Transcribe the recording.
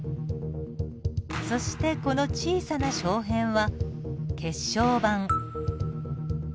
そしてこの小さな小片は血小板。